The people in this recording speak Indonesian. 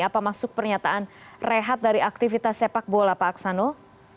apa masuk pernyataan rehat dari aktivitas sepak bola pak aksano